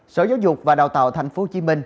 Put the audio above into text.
sở giáo dục và đào tạo tp hcm